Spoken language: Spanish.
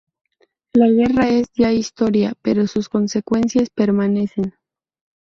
La guerra es ya historia, pero sus consecuencias permanecen.